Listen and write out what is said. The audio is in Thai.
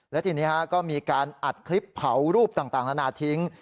และทีนี้ก็มีการอัดคลิปเผารูปต่างนานาทิ้ง